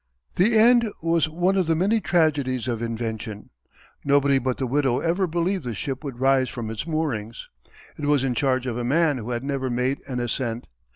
The end was one of the many tragedies of invention. Nobody but the widow ever believed the ship would rise from its moorings. It was in charge of a man who had never made an ascent.